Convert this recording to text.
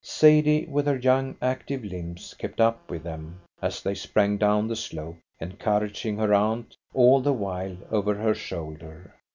Sadie, with her young, active limbs, kept up with them, as they sprang down the slope, encouraging her aunt all the while over her shoulder.